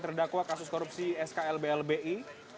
terdakwa kasus korupsi skl blbi